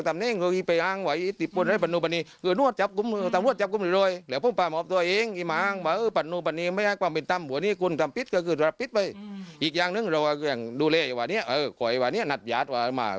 อ่านี่คือลุงสัญญา